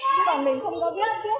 chứ còn mình không có viết trước